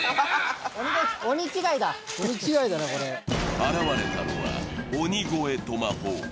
現れたのは鬼越トマホーク。